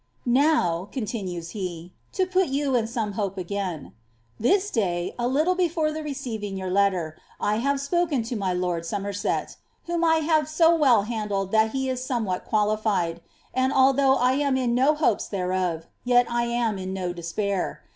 "Now,'' continues he, "to put you in some hope agnin. This day, a lit!> be fore ilie rectMving your letter, I have !>{X)ken u> my lord (S>mereet). wli ini I have 60 well liandlcd that he is somewhat qualified: and although I am in re hopes tli^rfif, yet I am in no despair.